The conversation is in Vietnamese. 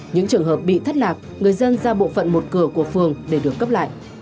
những trường hợp bị thất lạc người dân ra bộ phận một cửa của phường để được cấp lại